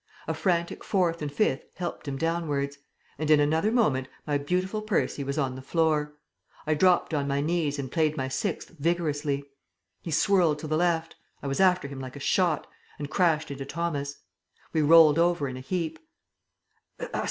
A frantic fourth and fifth helped him downwards ... and in another moment my beautiful Percy was on the floor. I dropped on my knees and played my sixth vigorously. He swirled to the left; I was after him like a shot ... and crashed into Thomas. We rolled over in a heap.